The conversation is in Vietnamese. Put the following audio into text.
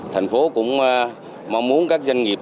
thành phố cũng mong muốn các doanh nghiệp